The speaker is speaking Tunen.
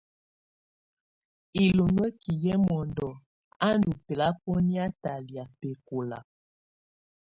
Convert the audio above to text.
Ilunǝ́ki yɛ mɔndɔ á ndù bɛlabɔnɛa talɛ̀á bɛkɔla.